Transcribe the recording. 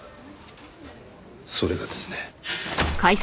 それがですね。